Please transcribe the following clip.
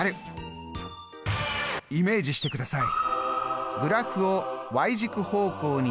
イメージしてください！